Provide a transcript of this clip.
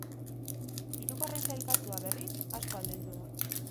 Hirugarren sailkatua, berriz, asko aldendu da.